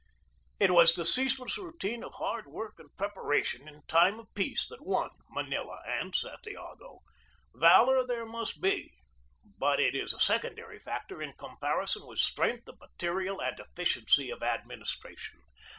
It was the ceaseless routine of hard work and preparation in time of peace that won Manila and Santiago. Valor there must be, but it is a secondary factor in comparison with strength of material and efficiency of administration.